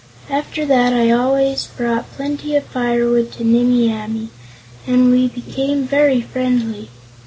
After that, I always brought plenty of firewood to Nimmie Amee and we became very friendly.